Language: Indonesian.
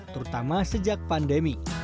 terutama sejak pandemi